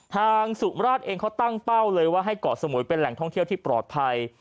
สุมราชเองเขาตั้งเป้าเลยว่าให้เกาะสมุยเป็นแหล่งท่องเที่ยวที่ปลอดภัย